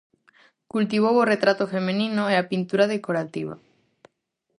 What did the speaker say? Cultivou o retrato feminino e a pintura decorativa.